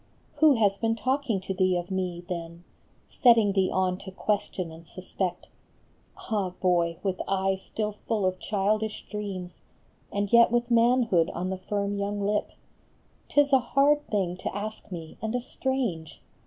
" Who has been talking to thee of me, then ; Setting thee on to question and suspect ? Ah, boy, with eyes still full of childish dreams, And yet with manhood on the firm young lip, T is a hard thing to ask me, and a strange